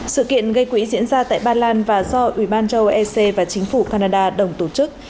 sự kiện gây quỹ diễn ra tại ba lan và do ubancho ec và chính phủ canada đồng tổ chức